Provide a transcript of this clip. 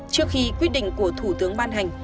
trước khi quyết định của thủ tướng ban hành